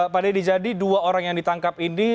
pada ini jadi dua orang yang ditangkap ini